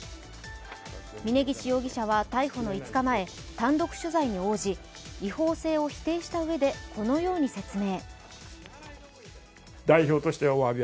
峯岸容疑者は逮捕の５日前、単独取材に応じ違法性を否定したうえでこのように説明。